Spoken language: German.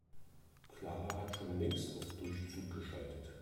Clara hat schon längst auf Durchzug geschaltet.